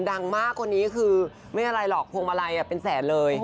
ดังมากคนนี้คือไม่อะไรหรอกพวงมาลัยเป็นแสนเลย